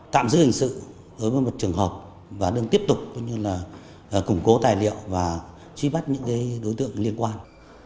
tạm giữ hình sự đối với một trường hợp và đang tiếp tục củng cố tài liệu và truy bắt những đối tượng liên quan